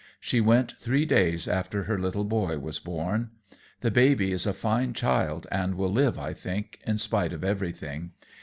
She went three days after her little boy was born. The baby is a fine child and will live, I think, in spite of everything.